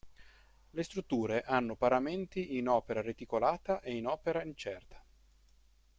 Le strutture hanno paramenti in opera reticolata e in opera incerta.